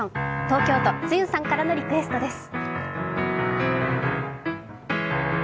東京都つゆさんからのリクエストです。